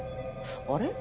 あれ？